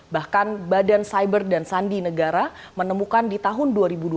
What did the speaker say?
bahkan badan cyber dan sandi negara menemukan di tahun dua ribu dua puluh